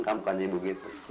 kamu kan ibu gitu